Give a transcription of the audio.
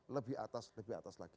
lebih atas lebih atas lagi